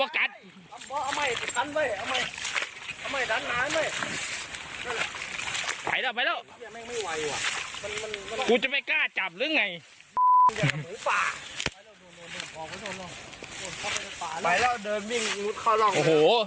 โอ้โห